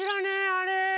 あれ？